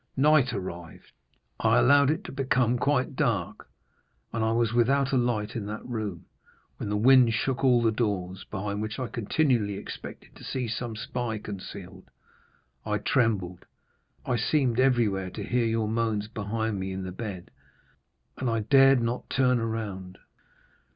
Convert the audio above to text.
"Night arrived; I allowed it to become quite dark. I was without a light in that room; when the wind shook all the doors, behind which I continually expected to see some spy concealed, I trembled. I seemed everywhere to hear your moans behind me in the bed, and I dared not turn around.